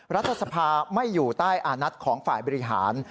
รัฐสภาไม่อยู่ใต้อานัทของฝ่ายบริหาร